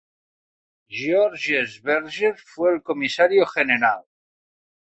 Georges Berger fue el comisario general.